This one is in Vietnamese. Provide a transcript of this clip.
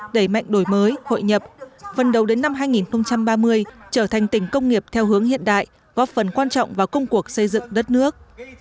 đẩy mạnh đổi mới hội nhập phần đầu đến năm hai nghìn ba mươi trở thành tỉnh công nghiệp theo hướng hiện đại góp phần quan trọng vào công cuộc xây dựng đất nước